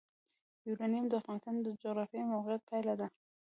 یورانیم د افغانستان د جغرافیایي موقیعت پایله ده.